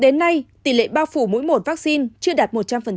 đến nay tỷ lệ bao phủ mỗi một vaccine chưa đạt một trăm linh